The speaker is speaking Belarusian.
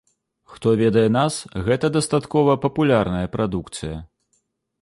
Хто ведае нас, гэта дастаткова папулярная прадукцыя.